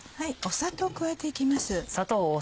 砂糖を加えて行きます。